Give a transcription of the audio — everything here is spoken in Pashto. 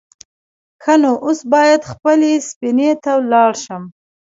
_ښه نو، اوس بايد خپلې سفينې ته لاړ شم.